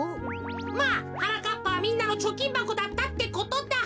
まあはなかっぱはみんなのちょきんばこだったってことだ。